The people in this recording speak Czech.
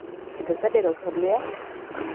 Kdo tedy rozhoduje?